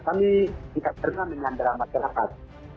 kami tidak pernah menyandera masyarakat